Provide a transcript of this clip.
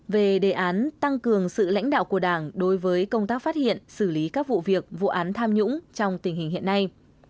về đề án tăng cường sự lãnh đạo của đảng đối với công tác phát hiện xử lý các vụ việc vụ án tham nhũng trong tình hình hiện nay